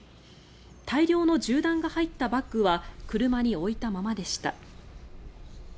大量の銃弾が入ったバッグは車に置いたままでした。